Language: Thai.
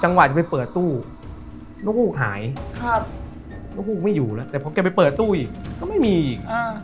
จังหวะจะไปเปิดตู้แล้วภูมิหายภูมิไม่อยู่แล้วแต่พอแกไปเปิดตู้อีกก็ไม่มีอีก